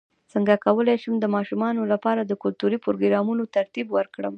څنګه کولی شم د ماشومانو لپاره د کلتوري پروګرامونو ترتیب ورکړم